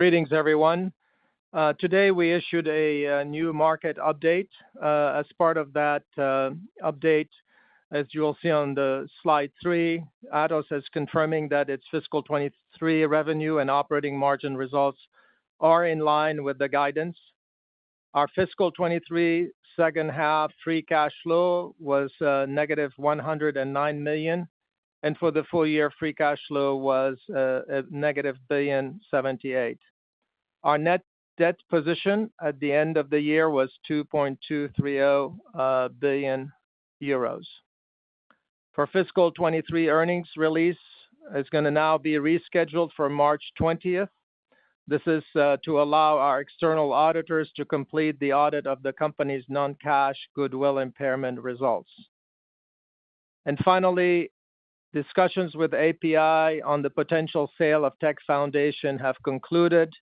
Greetings, everyone. Today we issued a new market update, as part of that update, as you will see on slide 3. Atos is confirming that its fiscal 2023 revenue and operating margin results are in line with the guidance. Our fiscal 2023 second half free cash flow was -109 million, and for the full year free cash flow was -1.078 billion. Our net debt position at the end of the year was 2.230 billion euros. For fiscal 2023 earnings release, it's going to now be rescheduled for March 20th. This is to allow our external auditors to complete the audit of the company's non-cash goodwill impairment results. And finally, discussions with EPEI on the potential sale of Tech Foundations have concluded,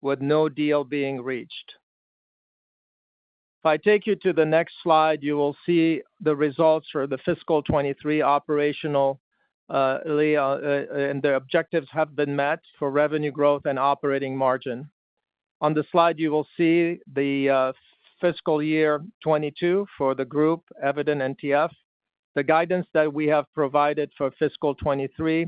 with no deal being reached. If I take you to the next slide, you will see the results for the fiscal 2023 operational and their objectives have been met for revenue growth and operating margin. On the slide you will see fiscal year 2022 for the group, Eviden, TF, the guidance that we have provided for fiscal 2023,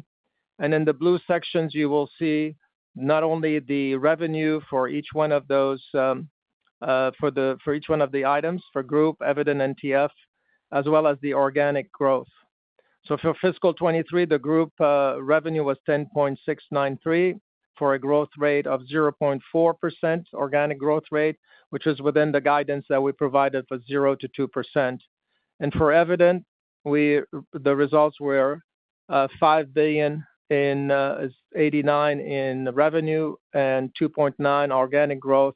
and in the blue sections you will see not only the revenue for each one of those, for each one of the items, for group, Eviden, TF, as well as the organic growth. So for fiscal 2023 the group revenue was 10.693 billion for a growth rate of 0.4%, organic growth rate, which is within the guidance that we provided for 0%-2%. For Eviden, the results were 5.9 billion in revenue and 2.9% organic growth,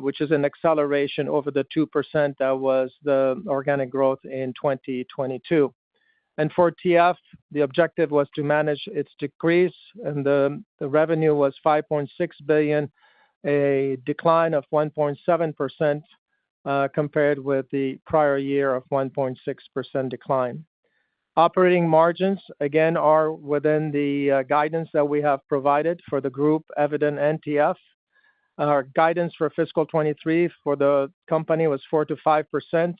which is an acceleration over the 2% that was the organic growth in 2022. For TF, the objective was to manage its decrease, and the revenue was 5.6 billion, a decline of 1.7%, compared with the prior year of 1.6% decline. Operating margins, again, are within the guidance that we have provided for the group, Eviden and TF. Our guidance for fiscal 2023 for the company was 4%-5%.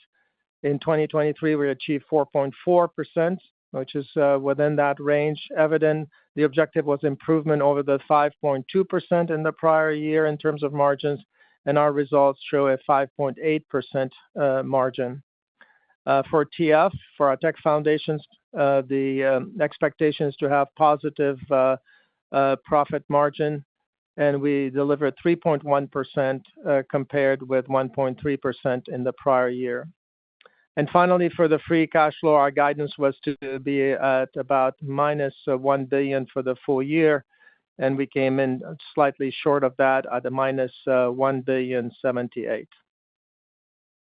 In 2023 we achieved 4.4%, which is within that range. Eviden, the objective was improvement over the 5.2% in the prior year in terms of margins, and our results show a 5.8% margin. For TF, for our Tech Foundations, the expectation is to have positive profit margin, and we delivered 3.1%, compared with 1.3% in the prior year. Finally, for the free cash flow our guidance was to be at about -1 billion for the full year, and we came in slightly short of that at -1.078 billion.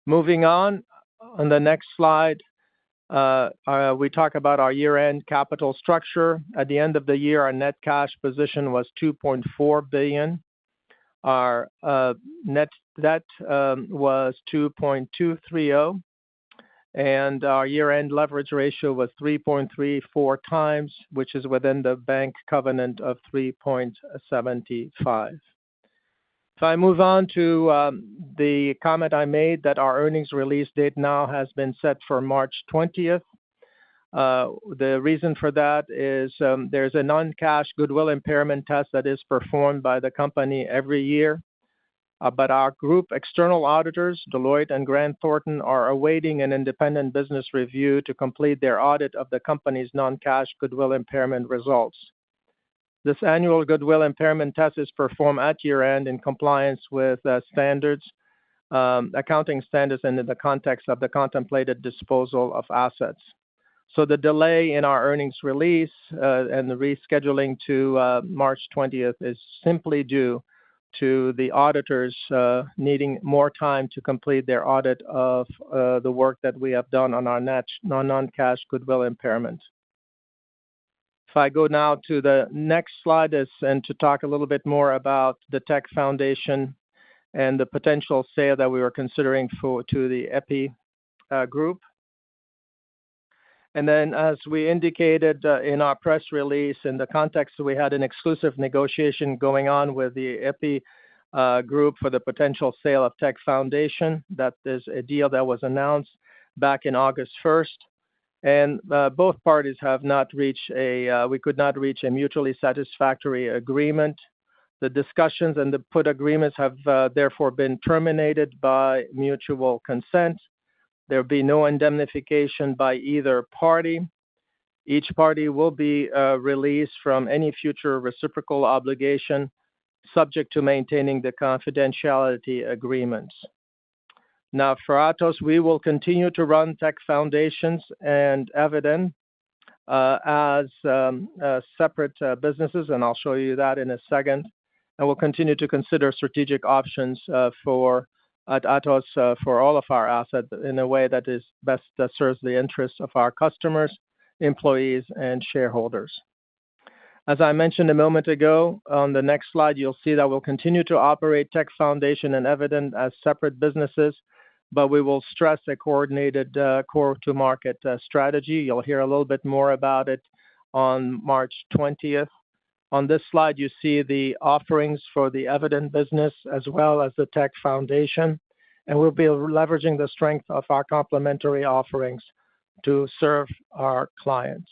Moving on, on the next slide, we talk about our year-end capital structure. At the end of the year our net cash position was 2.4 billion. Our net debt was 2.230 billion, and our year-end leverage ratio was 3.34 times, which is within the bank covenant of 3.75. If I move on to the comment I made that our earnings release date now has been set for March 20th, the reason for that is there is a non-cash goodwill impairment test that is performed by the company every year, but our group external auditors, Deloitte and Grant Thornton, are awaiting an independent business review to complete their audit of the company's non-cash goodwill impairment results. This annual goodwill impairment test is performed at year-end in compliance with standards, accounting standards in the context of the contemplated disposal of assets. So the delay in our earnings release, and the rescheduling to March 20th is simply due to the auditors needing more time to complete their audit of the work that we have done on our non-cash goodwill impairment. If I go now to the next slide and to talk a little bit more about the Tech Foundations and the potential sale that we were considering for to the EPEI group. And then, as we indicated in our press release, in the context that we had an exclusive negotiation going on with the EPEI group for the potential sale of Tech Foundations, that is a deal that was announced back on August 1st, and we could not reach a mutually satisfactory agreement. The discussions and the put agreements have therefore been terminated by mutual consent. There will be no indemnification by either party. Each party will be released from any future reciprocal obligation subject to maintaining the confidentiality agreements. Now, for Atos, we will continue to run Tech Foundations and Eviden as separate businesses, and I'll show you that in a second, and we'll continue to consider strategic options for Atos for all of our assets in a way that best serves the interests of our customers, employees, and shareholders. As I mentioned a moment ago, on the next slide you'll see that we'll continue to operate Tech Foundations and Eviden as separate businesses, but we will stress a coordinated, go-to-market, strategy. You'll hear a little bit more about it on March 20th. On this slide you see the offerings for the Eviden business as well as the Tech Foundations, and we'll be leveraging the strength of our complementary offerings to serve our clients.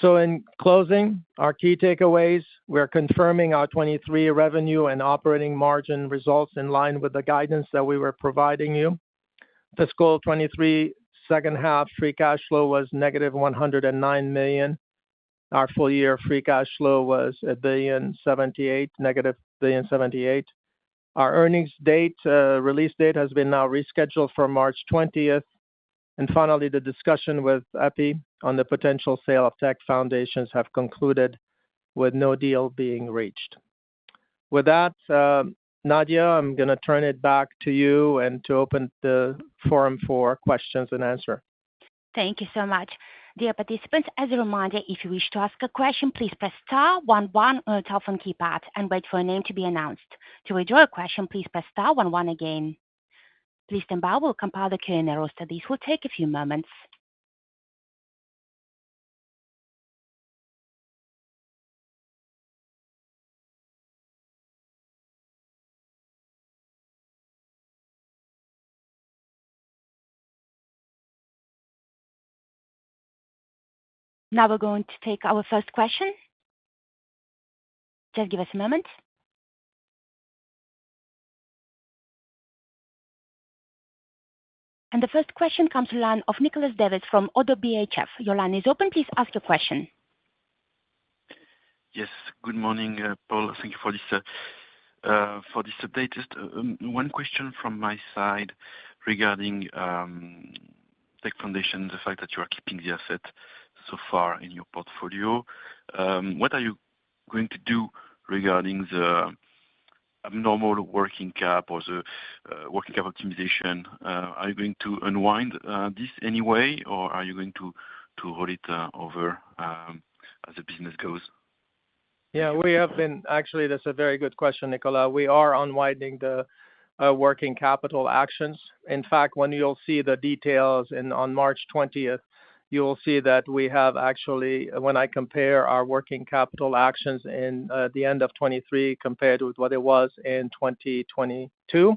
So in closing, our key takeaways, we are confirming our 2023 revenue and operating margin results in line with the guidance that we were providing you. Fiscal 2023 second half free cash flow was -109 million. Our full year free cash flow was -1.078 billion. Our earnings date release date has been now rescheduled for March 20th, and finally the discussion with EPEI on the potential sale of Tech Foundations have concluded with no deal being reached. With that, Nadia, I'm going to turn it back to you and to open the forum for questions and answers. Thank you so much. Dear participants, as a reminder, if you wish to ask a question, please press star 11 on your telephone keypad and wait for a name to be announced. To withdraw a question, please press star 11 again. Please stand by, we'll compile the Q&A roster. This will take a few moments. Now we're going to take our first question. Just give us a moment. The first question comes to line of Nicolas David from Oddo BHF. Your line is open, please ask your question. Yes, good morning, Paul. Thank you for this, for this update. Just one question from my side regarding Tech Foundations, the fact that you are keeping the asset so far in your portfolio. What are you going to do regarding the abnormal working cap or the working cap optimization? Are you going to unwind this anyway, or are you going to roll it over as the business goes? Yeah, we have been actually, that's a very good question, Nicolas. We are unwinding the working capital actions. In fact, when you'll see the details on March 20th, you'll see that we have actually, when I compare our working capital actions in the end of 2023 compared with what it was in 2022,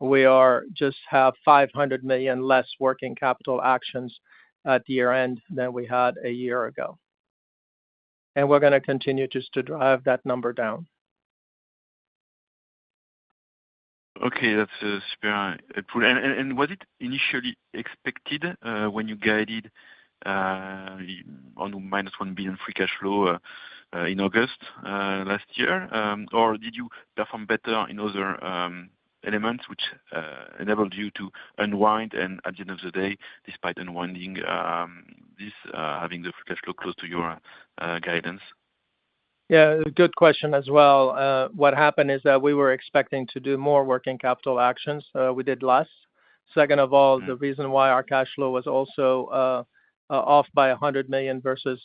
we just have 500 million less working capital actions at year-end than we had a year ago. And we're going to continue just to drive that number down. Okay, that's a spirit. And was it initially expected, when you guided on -1 billion free cash flow in August last year, or did you perform better in other elements which enabled you to unwind and at the end of the day, despite unwinding this, having the free cash flow close to your guidance? Yeah, good question as well. What happened is that we were expecting to do more working capital actions. We did less. Second of all, the reason why our cash flow was also off by $100 million versus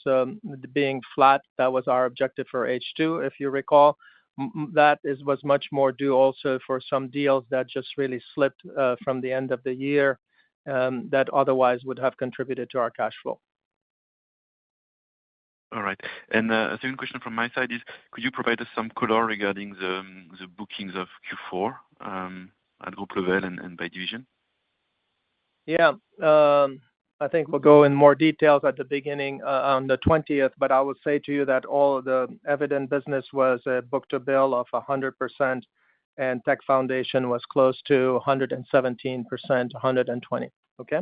being flat, that was our objective for H2, if you recall. Mm-hmm. That is was much more due also for some deals that just really slipped from the end of the year, that otherwise would have contributed to our cash flow. All right. And a second question from my side is, could you provide us some color regarding the bookings of Q4 at group level and by division? Yeah. I think we'll go in more details at the beginning, on the 20th, but I will say to you that all of the Eviden business was a book-to-bill of 100% and Tech Foundations was close to 117%, 120%, okay?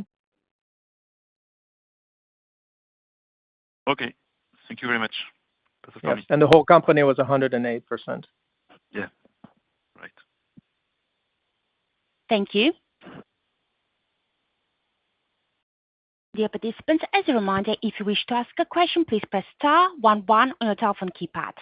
Okay. Thank you very much. Yes. The whole company was 108%. Yeah. Right. Thank you. Dear participants, as a reminder, if you wish to ask a question, please press star 11 on your telephone keypad.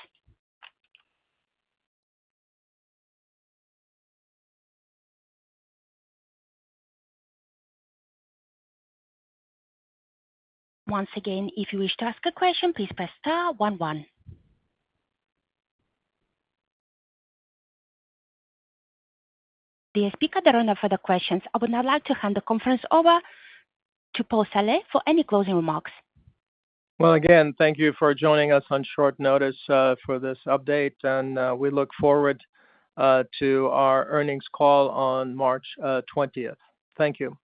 Once again, if you wish to ask a question, please press star 11. Dear speaker, there are no further questions. I would now like to hand the conference over to Paul Saleh for any closing remarks. Well, again, thank you for joining us on short notice for this update, and we look forward to our earnings call on March 20th. Thank you.